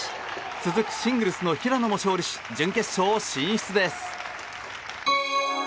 続くシングルスの平野も勝利し準決勝進出です。